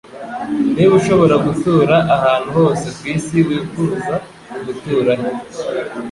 Niba ushobora gutura ahantu hose ku isi, wifuza gutura he?